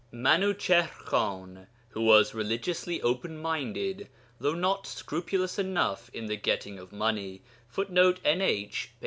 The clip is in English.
Minuchihr Khan, who was religiously openminded though not scrupulous enough in the getting of money, [Footnote: NH, p.